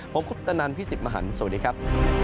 ผมคุณตนันพี่สิบมหันสวัสดีครับ